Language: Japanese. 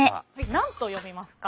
何と読みますか？